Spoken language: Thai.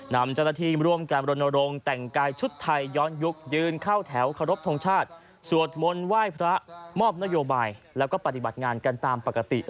นำเจ้าหน้าที่ร่วมกันรณรงค์แต่งกายชุดไทยย้อนยุคยืนเข้าแถวเคารพทงชาติสวดมนต์ไหว้พระมอบนโยบายแล้วก็ปฏิบัติงานกันตามปกติ